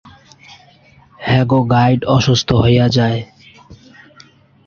তাঁদের গাইড অসুস্থ হয়ে পড়েন।